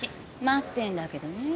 待ってんだけどね。